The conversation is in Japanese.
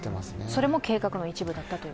それも計画の一部だったと？